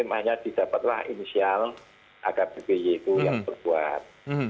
hanya didapatlah inisial akbpj itu yang terbuat